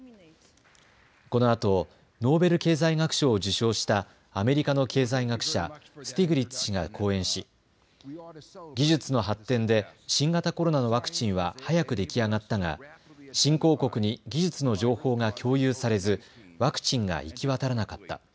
このあとノーベル経済学賞を受賞したアメリカの経済学者スティグリッツ氏が講演し技術の発展で新型コロナのワクチンは早くできあがったが新興国に技術の情報が共有されずワクチンが行き渡らなかった。